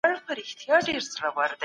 تکنالوژي هره ورځ نوي کيږي.